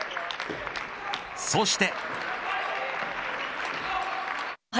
そして。